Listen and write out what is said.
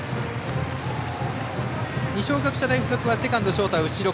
二松学舎大付属はセカンド、ショートは後ろ。